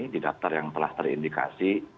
di daftar yang telah terindikasi